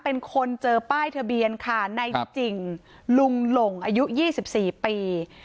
เป็นคนเจอป้ายทะเบียนค่ะในจิ่งลุงหลงอายุ๒๔ปี